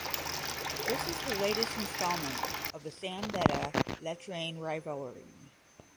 This is the latest installment of the San Beda–Letran rivalry.